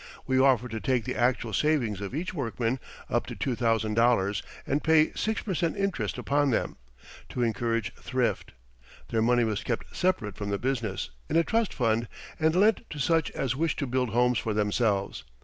We offered to take the actual savings of each workman, up to two thousand dollars, and pay six per cent interest upon them, to encourage thrift. Their money was kept separate from the business, in a trust fund, and lent to such as wished to build homes for themselves.